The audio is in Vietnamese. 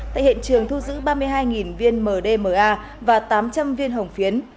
tại hiện trường thu giữ ba mươi hai viên mdma và tám trăm linh viên hồng phiến